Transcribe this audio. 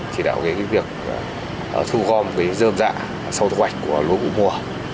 chỉ đạo việc thu gom dơm dạ sau kế hoạch của lối bụng mùa